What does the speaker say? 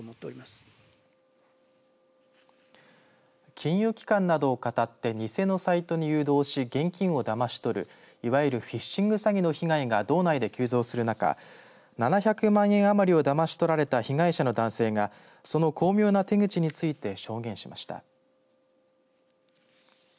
金融機関などを語って偽のサイトに誘導し現金をだまし取る、いわゆるフィッシング詐欺の被害が道内で急増する中７００万余りをだまし取られた被害者の男性がその巧妙な手口について証言しました。